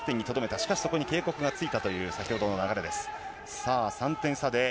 しかしそこに警告がついたという、先ほどの流れです。